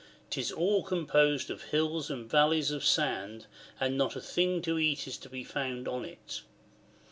'Tis all composed of hills and valleys of sand, and not a thing to eat is to be found on it.